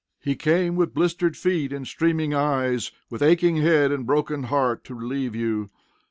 He came with blistered feet and streaming eyes, with aching head and broken heart to relieve you.